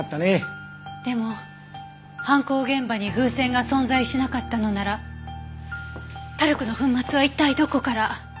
でも犯行現場に風船が存在しなかったのならタルクの粉末は一体どこから。